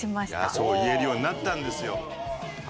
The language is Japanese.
そう言えるようになったんですよ。